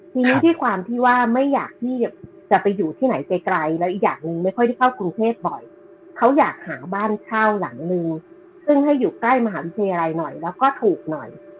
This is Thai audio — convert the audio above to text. ทีนี้ด้วยความที่ว่าไม่อยากที่จะไปอยู่ที่ไหนไกลแล้วอีกอย่างหนึ่งไม่ค่อยได้เข้ากรุงเทพบ่อยเขาอยากหาบ้านเช่าหลังนึงซึ่งให้อยู่ใกล้มหาวิทยาลัยหน่อยแล้วก็ถูกหน่อย